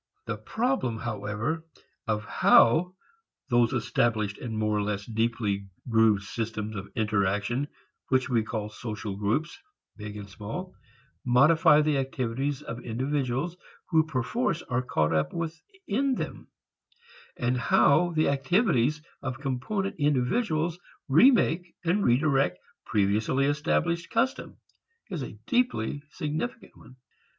The problem, however, of how those established and more or less deeply grooved systems of interaction which we call social groups, big and small, modify the activities of individuals who perforce are caught up within them, and how the activities of component individuals remake and redirect previously established customs is a deeply significant one.